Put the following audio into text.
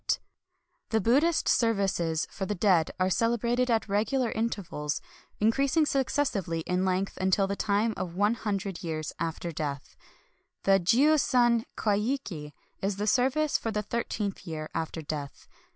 Family 1 The Buddhist services for the dead are celebrated at regular intervals, increasing successively in length, until the time of one hundred years after death. The jiu san Jcwaiki is the service for the thirteenth year after death.